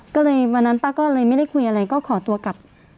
ก็เลยวันนั้นป้าก็เลยไม่ได้คุยอะไรก็ขอตัวกลับ